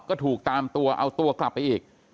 ก็ถูกตามตัวเอาตัวกลับไปอีก